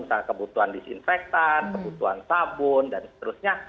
misalnya kebutuhan disinfektan kebutuhan sabun dan seterusnya